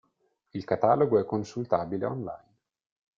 Il catalogo è consultabile on line.